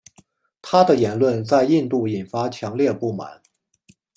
他的言论在印度引发强烈不满。